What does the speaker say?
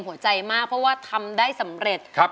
หัวใจมากเพราะว่าทำได้สำเร็จ